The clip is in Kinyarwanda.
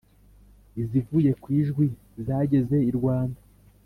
izivuye kwijwi zageze irwanda.